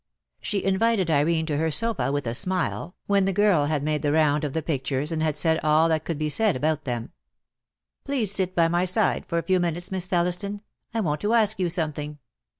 She invited Irene to her sofa with a smile, when the girl had made the round of the pictures and had said all that could be said about them. "Please sit by my side for a few minutes, Miss Thelliston. I want to ask you something."